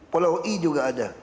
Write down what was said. pulau i juga ada